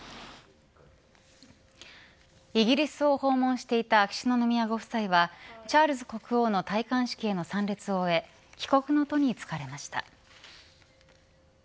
イギリスを訪問していた秋篠宮ご夫妻はチャールズ国王の戴冠式への参列を終え帰国の途に着かれました。